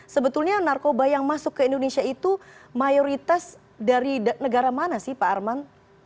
sebetulnya narkoba yang masuk ke indonesia itu mayoritas dari negara mana sih pak arman